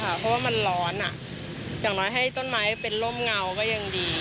เพราะว่ามันร้อนอย่างน้อยให้ต้นไม้เป็นร่มเงาก็ยังดี